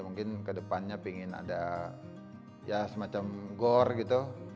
mungkin ke depannya pingin ada ya semacam gore gitu